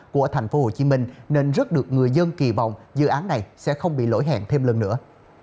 của tp hcm nên rất được người dân kỳ vọng dự án này sẽ không bị lỗi hẹn thêm lần nữa